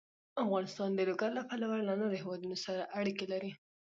افغانستان د لوگر له پلوه له نورو هېوادونو سره اړیکې لري.